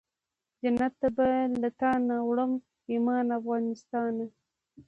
جنت ته به له تانه وړم ایمان افغانستانه